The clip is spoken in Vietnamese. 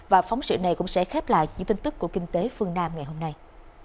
và phóng sự này cũng sẽ khép lại những tin tức của kinh tế phương nam ngày hôm nay